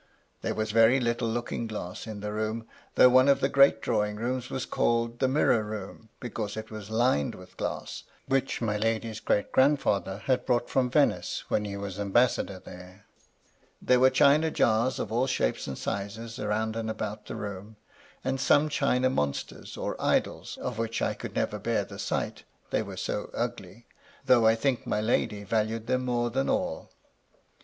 There was very little looking glass in the room, though one of the great drawing rooms was called the *' Mirror Room," because it was lined with glass, which my lady's great grand father had brought from Venice when he was ambas MY LADY LUDLOW. 71 sador there. There were chuia jars of all shapes and sizes round and about the room, and some china monsters, or idols, of which I could never bear the sight, they were so ugly, though I think my lady valued them more than all.